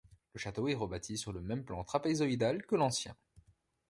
Le château est rebâti sur le même plan trapézoïdal que l'ancien.